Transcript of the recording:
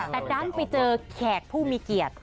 แต่ดันไปเจอแขกผู้มีเกียรติ